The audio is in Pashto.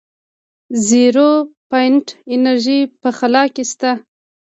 د زیرو پاینټ انرژي په خلا کې شته.